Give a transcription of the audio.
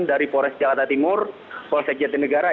dari polres jakarta timur polsek jatinegara